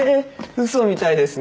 ウソみたいですね